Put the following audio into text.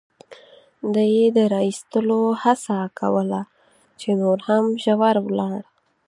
ده یې د را اېستلو هڅه کول، چې نور هم ژور ولاړ.